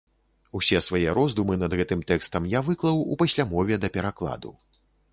Усе свае роздумы над гэтым тэкстам я выклаў у паслямове да перакладу.